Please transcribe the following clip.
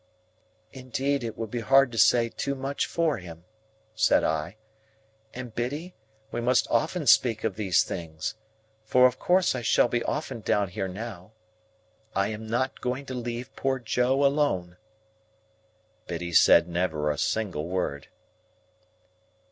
"Indeed, it would be hard to say too much for him," said I; "and Biddy, we must often speak of these things, for of course I shall be often down here now. I am not going to leave poor Joe alone." Biddy said never a single word.